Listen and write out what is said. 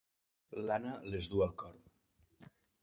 L'Anna les du al cor.